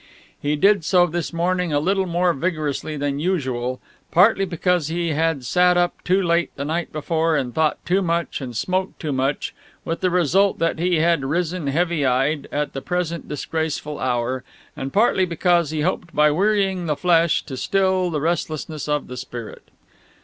He did so this morning a little more vigorously than usual, partly because he had sat up too late the night before and thought too much and smoked too much, with the result that he had risen heavy eyed, at the present disgraceful hour, and partly because he hoped by wearying the flesh to still the restlessness of the spirit.